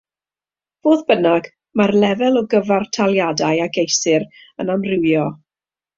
Fodd bynnag mae'r lefel o gyfartaliadau a geisir yn amrywio.